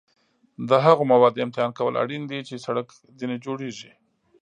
د هغو موادو امتحان کول اړین دي چې سړک ترې جوړیږي